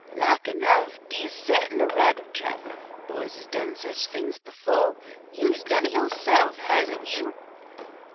Lak enough dee's settin' a rabbit trap. Boys has done such things befo'. You's done it yo'se'f, hasn't you?"